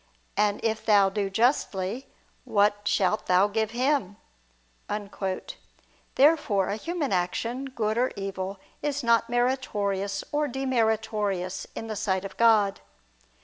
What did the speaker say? ... And if thou do justly, what shalt thou give Him?" Therefore a human action, good or evil, is not meritorious or demeritorious in the sight of God.